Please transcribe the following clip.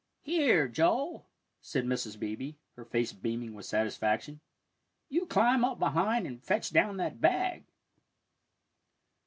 "Here, Joel," said Mrs. Beebe, her face beaming with satisfaction. "You climb up behind and fetch down that bag."